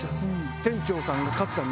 店長さんが勝さんに。